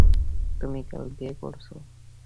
তুমি কাল বিয়ে করছো!